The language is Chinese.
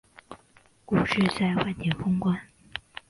股市在万点封关